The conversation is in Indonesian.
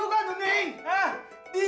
buka pintunya nunik